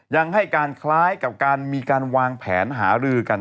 ยังให้การคล้ายกับการมีการวางแผนหารือกัน